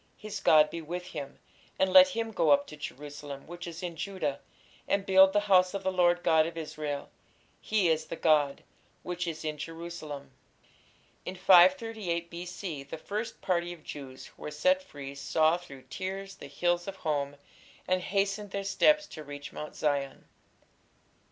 his God be with him, and let him go up to Jerusalem, which is in Judah, and build the house of the Lord God of Israel (he is the God) which is in Jerusalem. In 538 B.C. the first party of Jews who were set free saw through tears the hills of home, and hastened their steps to reach Mount Zion.